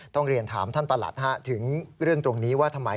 ต้องเรียนถามท่านประหลัดถึงเรื่องตรงนี้ว่าทำไม